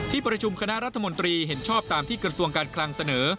ประชุมคณะรัฐมนตรีเห็นชอบตามที่กระทรวงการคลังเสนอ